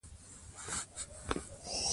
هغه کور ته راغی.